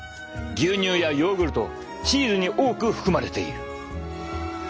牛乳やヨーグルトチーズに多く含まれている。